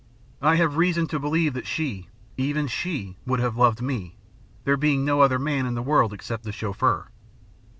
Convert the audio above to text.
I have reason to believe that she, even she, would have loved me, there being no other man in the world except the Chauffeur.